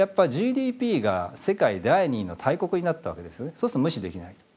そうすると無視できない。